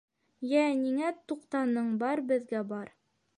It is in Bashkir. — Йә, ниңә туҡтаның, бар, беҙгә бар!